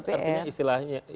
tapi artinya istilahnya